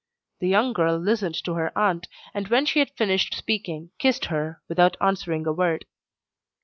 The young girl listened to her aunt, and when she had finished speaking, kissed her, without answering a word.